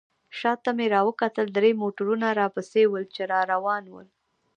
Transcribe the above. شاته مې راوکتل درې موټرونه راپسې ول، چې را روان ول.